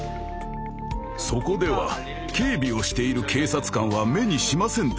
そこでは警備をしている警察官は目にしませんでした。